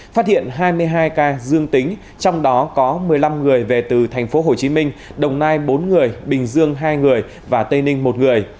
phát hiện hai mươi hai ca dương tính trong đó có một mươi năm người về từ tp hcm đồng nai bốn người bình dương hai người và tây ninh một người